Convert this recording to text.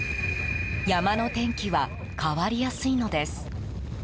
山の天気は変わりやすいのです。